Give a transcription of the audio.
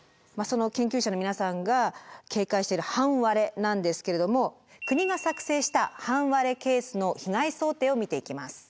研究者の皆さんが警戒している半割れなんですけれども国が作成した半割れケースの被害想定を見ていきます。